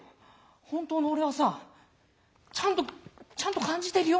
本当の俺はさちゃんとちゃんと感じてるよ。